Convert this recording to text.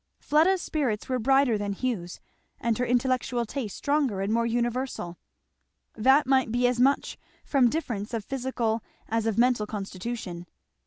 Fleda's spirits were brighter than Hugh's, and her intellectual tastes stronger and more universal. That might be as much from difference of physical as of mental constitution.